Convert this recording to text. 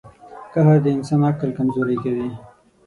• قهر د انسان عقل کمزوری کوي.